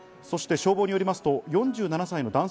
そして消防によりますと４７歳の男性